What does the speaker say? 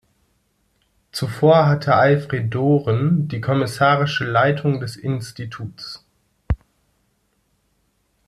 Zuvor hatte Alfred Doren die kommissarische Leitung des Instituts.